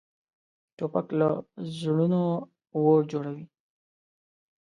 توپک له زړونو اور جوړوي.